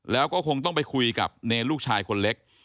แล้วก็คงต้องไปคุยกับเนรลูกชายคนเล็ก